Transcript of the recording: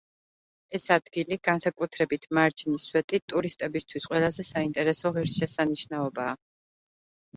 ეს ადგილი, განსაკუთრებით მარჯნის სვეტი, ტურისტებისთვის ყველაზე საინტერესო ღირსშესანიშნაობაა.